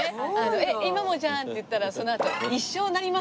「えっ今もじゃん」って言ったらそのあと「一生なりません！」